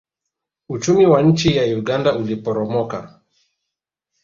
uchumi wa nchi ya uganda uliporomoka